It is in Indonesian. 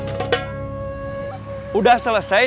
nggak ada yang nge subscribe